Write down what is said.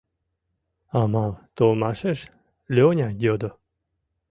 Амал толмашеш Лёня йодо: